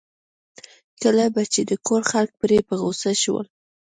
کله به چې د کور خلک پرې په غوسه شول.